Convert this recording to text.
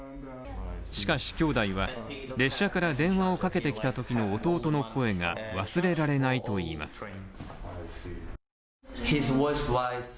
しかし、きょうだいは列車から電話をかけてきたときの弟の声が忘れられないといいます。